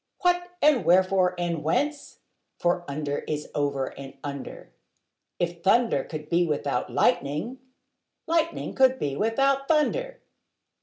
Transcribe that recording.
What, and wherefore, and whence? for under is over and under: If thunder could be without lightning, lightning could be without thunder.